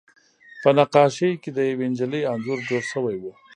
په نقاشۍ کې د یوې نجلۍ انځور جوړ شوی و